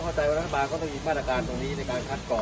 เข้าใจว่ารธบายก็นี่มาตรการตรงนี้ในการขาดกล่อ